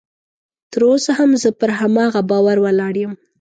تر اوسه هم زه پر هماغه باور ولاړ یم